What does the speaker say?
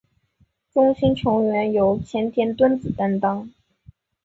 中心成员由前田敦子担当。